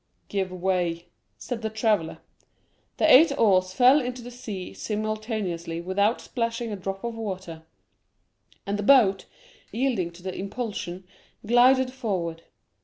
50265m "Give way," said the traveller. The eight oars fell into the sea simultaneously without splashing a drop of water, and the boat, yielding to the impulsion, glided forward.